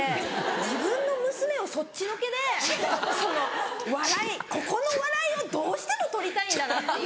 自分の娘をそっちのけでその笑いここの笑いをどうしても取りたいんだなっていう。